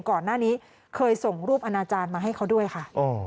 ก่อนหน้านี้เคยส่งรูปอนาจารย์มาให้เขาด้วยค่ะ